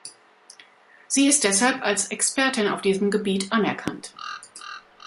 Sie ist deshalb als Expertin auf diesem Gebiet anerkannt.